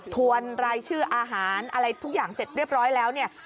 วนรายชื่ออาหารอะไรทุกอย่างเสร็จเรียบร้อยแล้วเนี่ย